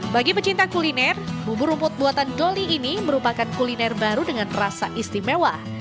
bagi pecinta kuliner bubur rumput buatan doli ini merupakan kuliner baru dengan rasa istimewa